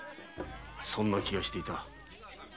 そんな気がしていた。